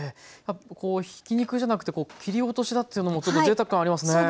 ひき肉じゃなくて切り落としだというのもちょっとぜいたく感ありますね。